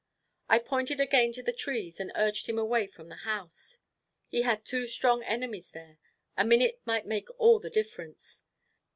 I pointed again to the trees, and urged him away from the house. He had two strong enemies there; a minute might make all the difference.